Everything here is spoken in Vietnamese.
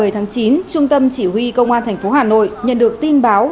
một mươi tháng chín trung tâm chỉ huy công an thành phố hà nội nhận được tin báo